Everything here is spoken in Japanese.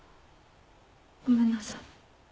ごめんなさい。